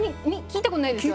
聞いたことないですね。